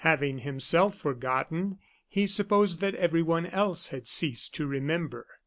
Having himself forgotten, he supposed that everyone else had ceased to remember.